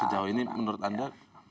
sejauh ini menurut anda